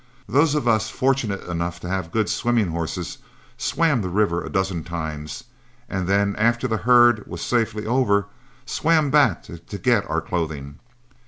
Those of us fortunate enough to have good swimming horses swam the river a dozen times, and then after the herd was safely over, swam back to get our clothing.